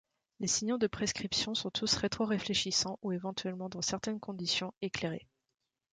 Les signaux de prescription sont tous rétroréfléchissants ou éventuellement dans certaines conditions, éclairés.